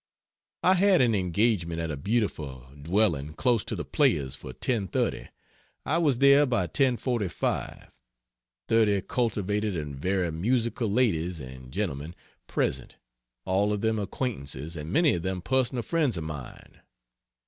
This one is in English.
I had an engagement at a beautiful dwelling close to the Players for 10.30; I was there by 10.45. Thirty cultivated and very musical ladies and gentlemen present all of them acquaintances and many of them personal friends of mine.